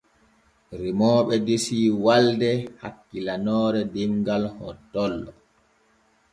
Remooɓe desi walde hakkilanoore demgal hottollo.